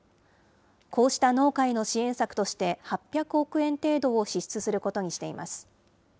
こうした農家への支援策として、８００億円程度を支出することにしています。